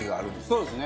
そうですね。